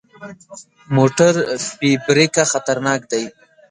موټر بې بریکه خطرناک دی.